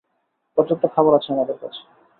পর্যাপ্ত খাবার আছে আমাদের কাছে!